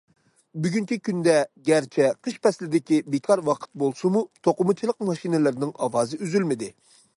بۈگۈنكى كۈندە، گەرچە قىش پەسلىدىكى بىكار ۋاقىت بولسىمۇ، توقۇمىچىلىق ماشىنىلىرىنىڭ ئاۋازى ئۈزۈلمىدى.